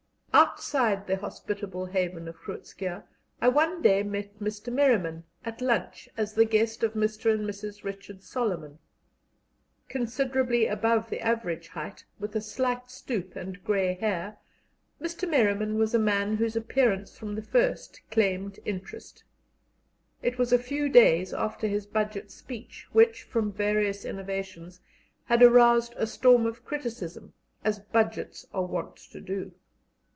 Outside the hospitable haven of Groot Schuurr I one day met Mr. Merriman at lunch as the guest of Mr. and Mrs. Richard Solomon. Considerably above the average height, with a slight stoop and grey hair, Mr. Merriman was a man whose appearance from the first claimed interest. It was a few days after his Budget speech, which, from various innovations, had aroused a storm of criticism, as Budgets are wont to do.